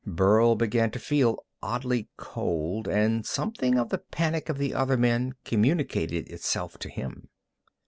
Burl began to feel oddly cold, and something of the panic of the other men communicated itself to him.